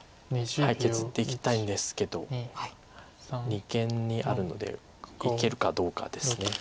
はい削っていきたいんですけど二間にあるのでいけるかどうかです。